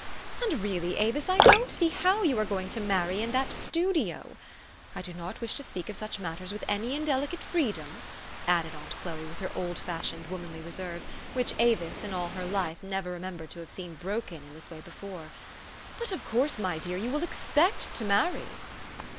And really, Avis, I don't see how you are going to marry in that studio. I do not wish to speak of such matters with any in delicate freedom," added aunt Chloe with her old fashioned womanly reserve, which Avis, in all her life, never remembered to have seen broken in this way before ;'' but of course, my dear, }~ou will ex pect to marry."